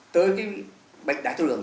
tới bệnh đáy tu lường